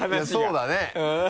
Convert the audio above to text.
そうだね。